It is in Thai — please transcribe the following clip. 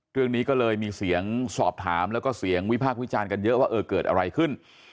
เรื่องนี้ก็เลยมีเสียงสอบถามแล้วก็เสียงวิพากษ์วิจารณ์กันเยอะว่าเออเกิดอะไรขึ้น